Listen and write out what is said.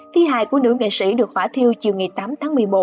thi hài của nữ nghệ sĩ được hỏa thiêu chiều ngày tám tháng một mươi một